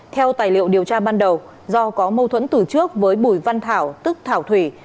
theo tài liệu điều tra ban đầu do có mâu thuẫn từ trước với bùi văn thảo tức thảo thủy